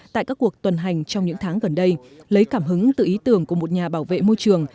tại các cuộc tuần hành trong những tháng gần đây lấy cảm hứng từ ý tưởng của một nhà bảo vệ môi trường